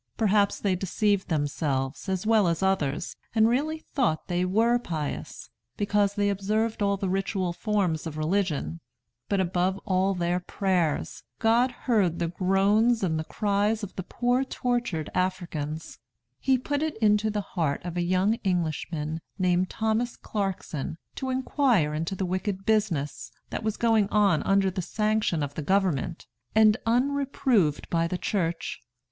Perhaps they deceived themselves, as well as others, and really thought they were pious, because they observed all the ritual forms of religion. But, above all their prayers, God heard the groans and the cries of the poor tortured Africans. He put it into the heart of a young Englishman, named Thomas Clarkson, to inquire into the wicked business, that was going on under the sanction of the government, and unreproved by the Church.